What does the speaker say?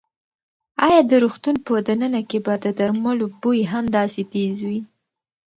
ایا د روغتون په دننه کې به د درملو بوی هم داسې تېز وي؟